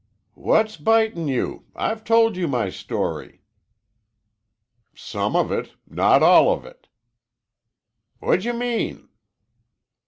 "What's bitin' you? I've told you my story." "Some of it. Not all of it." "Whadjamean?"